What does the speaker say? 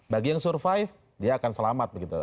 bagi yang survive dia akan selamat begitu